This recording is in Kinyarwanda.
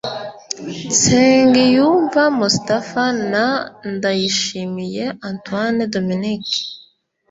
Nsengiyumva Moustapha na Ndayishimiye Antoine Dominique